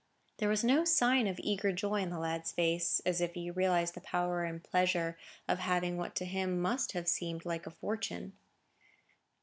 There was no sign of eager joy on the lad's face, as if he realised the power and pleasure of having what to him must have seemed like a fortune.